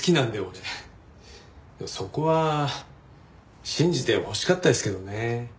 でもそこは信じてほしかったですけどね。